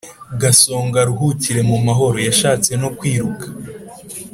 Gasongo aruhukire mu mahoro, yashatse no kwiruka